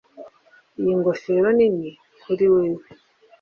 Iyi ngofero nini kuri wewe